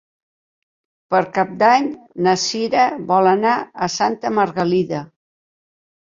Per Cap d'Any na Cira vol anar a Santa Margalida.